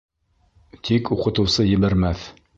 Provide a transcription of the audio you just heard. Тик уҡытыусы ебәрмәҫ...